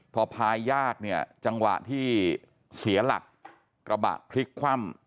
พอพายากเนี่ยจังหวะที่เสียหลักกระบะพลิกคว่ำ